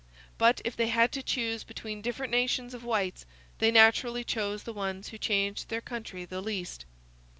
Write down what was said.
But, if they had to choose between different nations of whites, they naturally chose the ones who changed their country the least.